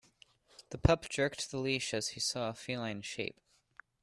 The pup jerked the leash as he saw a feline shape.